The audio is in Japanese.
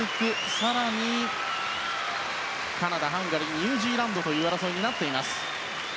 更にカナダ、ハンガリーニュージーランドという争いになっています。